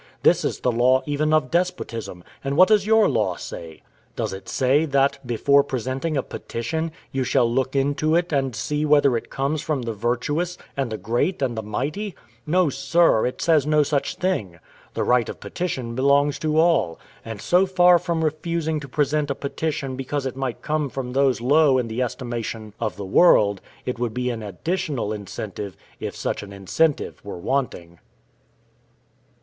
This is the law even of despotism; and what does your law say? Does it say, that, before presenting a petition, you shall look into it and see whether it comes from the virtuous, and the great, and the mighty? No, sir; it says no such thing. The right of petition belongs to all; and so far from refusing to present a petition because it might come from those low in the estimation of the world, it would be an additional incentive, if such an incentive were wanting.